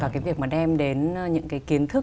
và cái việc mà đem đến những kiến thức